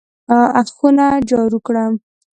خونه جارو کړه!